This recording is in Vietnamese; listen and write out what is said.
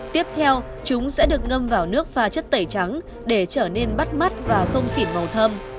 tiếp theo chúng sẽ được ngâm vào nước pha chất tẩy trắng để trở nên bắt mắt và không xịt màu thơm